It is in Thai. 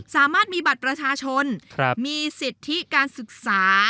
สามารถมีบัตรประชาชนมีสิทธิการศึกษา